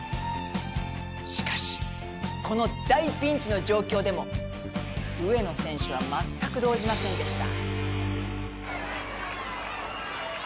しかしこの大ピンチの状況でも上野選手は全く動じませんでした。